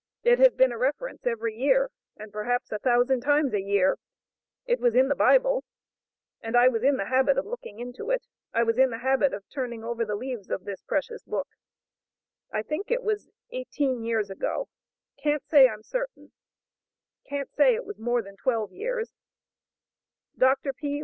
It has been a reference every year, and perhaps a thousand times a year; it was in the Bible, and I was in the habit of looking into it; I was in the habit of turning over the leaves of this precious book; I think it was eighteen years ago; can't say I'm certain; can't say it was more than twelve years; Dr. P.